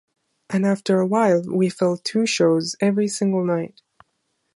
And after a while we filled "two" shows every single night".